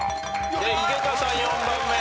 で井桁さん４番目。